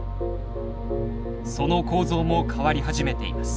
その構造も変わり始めています。